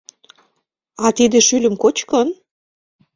— А тиде шӱльым кочкын?